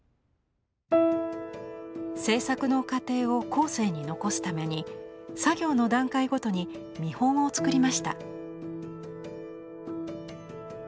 制作の過程を後世に残すために作業の段階ごとに見本をつくりました。